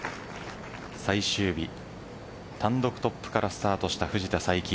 最終日、単独トップからスタートした藤田さいき。